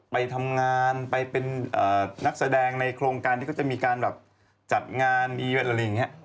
ไปทำงานไปเป็นนักแสดงในโครงการที่ก็จะมีการจัดงานอย่างนี้